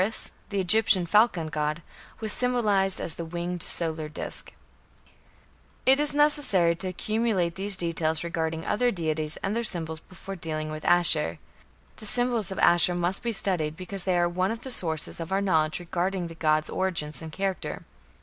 Horus, the Egyptian falcon god, was symbolized as the winged solar disc. It is necessary to accumulate these details regarding other deities and their symbols before dealing with Ashur. The symbols of Ashur must be studied, because they are one of the sources of our knowledge regarding the god's origin and character.